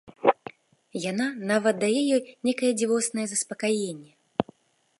Яна нават дае ёй нейкае дзівоснае заспакаенне.